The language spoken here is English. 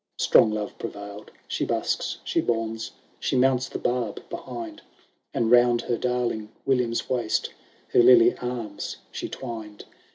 Strong love prevailed : She busks, she bounes, She mounts the Barb behind, And rcund her darling William's waist Her lily arms she twined.